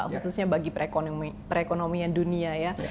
khususnya bagi perekonomian dunia ya